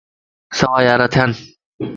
سوا ياران ٿيان